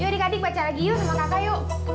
adik adik baca lagi yuk sama kakak yuk